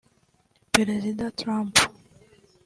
Perezida Trump